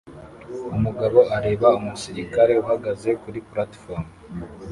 Umugabo areba umusirikare uhagaze kuri platifomu